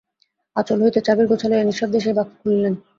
আঁচল হইতে চাবির গোচ্ছা লইয়া নিঃশব্দে সেই বাক্স খুলিলেন।